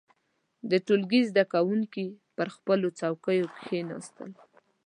• د ټولګي زده کوونکي پر خپلو څوکيو کښېناستل.